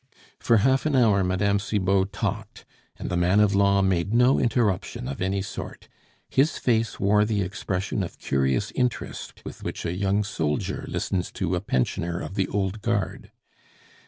For half an hour Mme. Cibot talked, and the man of law made no interruption of any sort; his face wore the expression of curious interest with which a young soldier listens to a pensioner of "The Old Guard."